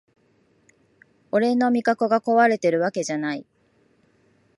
俺の味覚がこわれてるわけじゃない